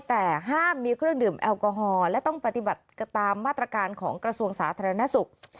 แต่ห้ามมีเครื่องดื่มแอลกอฮอล์และต้องปฏิบัติตามมาตรการของกระทรวงสาธารณสุข